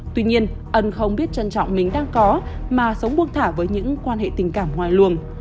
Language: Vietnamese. tuy nhiên ân không biết trân trọng mình đang có mà sống buông thả với những quan hệ tình cảm ngoài luồng